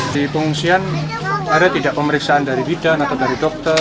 di pengungsian ada tidak pemeriksaan dari bidan atau dari dokter